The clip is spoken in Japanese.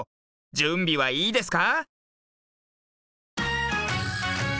じゅんびはいいですか？